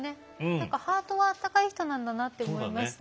何かハートは温かい人なんだなって思いました。